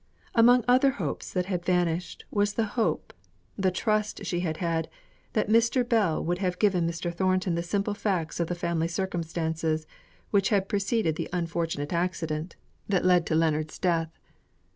Among other hopes that had vanished, was the hope, the trust she had had, that Mr. Bell would have given Mr. Thornton the simple facts of the family circumstances which had preceded the unfortunate accident that led to Leonards' death.